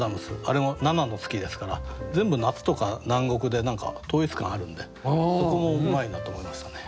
あれも７の月ですから全部夏とか南国で何か統一感あるんでそこもうまいなと思いましたね。